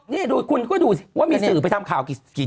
นี่ดูคุณก็ดูสิว่ามีสื่อไปทำข่าวกี่